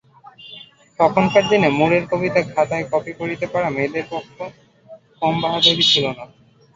তখনকার দিনে মূরের কবিতা খাতায় কপি করিতে পারা মেয়েদের পক্ষে কম বাহাদুরি ছিল না।